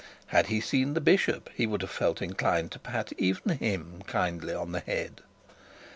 Had he seen the bishop, he would have felt inclined to pat even him kindly on the head.